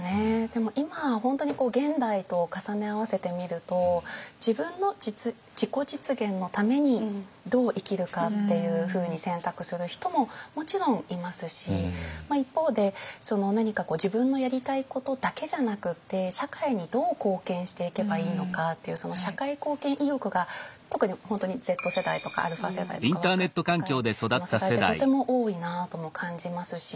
でも今本当に現代と重ね合わせてみると自分の自己実現のためにどう生きるかっていうふうに選択する人ももちろんいますし一方で何か自分のやりたいことだけじゃなくって社会にどう貢献していけばいいのかっていうその社会貢献意欲が特に本当にＺ世代とかα世代とか若い世代ってとても多いなとも感じますし。